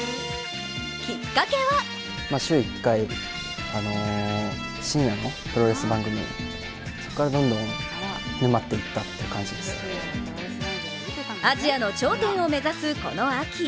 きっかけはアジアの頂点を目指すこの秋。